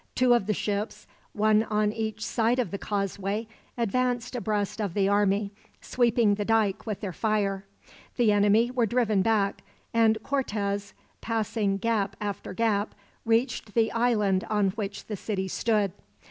Two of the ships, one on each side of the causeway, advanced abreast of the army, sweeping the dike with their fire. The enemy were driven back; and Cortez, passing gap after gap, reached the island on which the city stood.